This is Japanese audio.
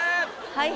はい。